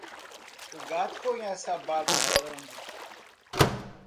O gato conhece a barba que lambe.